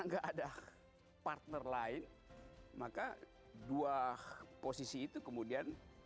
enggak ada partner lain maka dua posisi itu kemudian